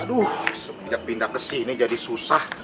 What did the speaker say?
aduh sepijak pindah kesini jadi susah